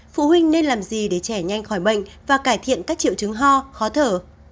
phụ huynh nên làm gì để trẻ nhanh khỏi bệnh và cải thiện các triệu chứng ho khó thở